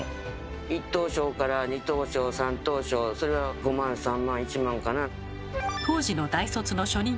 １等賞から２等賞３等賞それは５万３万１万かな。